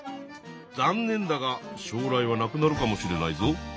残念だが将来はなくなるかもしれないぞ。